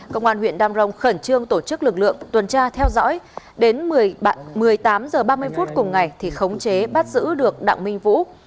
công an huyện đam rồng khẩn trương tổ chức lực lượng tuần tra theo dõi đến một mươi tám h ba mươi phút cùng ngày thì khống chế bắt giữ được đặng minh vũ